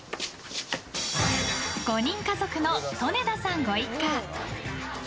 ５人家族の利根田さんご一家。